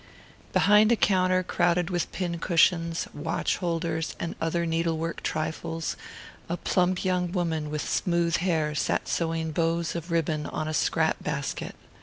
Behind a counter crowded with pin cushions, watch holders and other needlework trifles, a plump young woman with smooth hair sat sewing bows of ribbon on a scrap basket.